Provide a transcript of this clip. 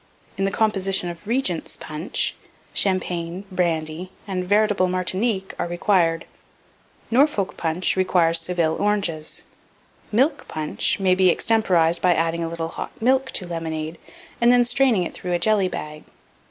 In the composition of "Regent's punch," champagne, brandy, and veritable Martinique are required; "Norfolk punch" requires Seville oranges; "Milk punch" may be extemporized by adding a little hot milk to lemonade, and then straining it through a jelly bag.